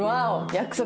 約束。